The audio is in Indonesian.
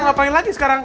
ngapain lagi sekarang